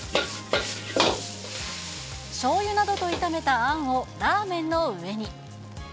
しょうゆなどと炒めたあんをラーメンの上に。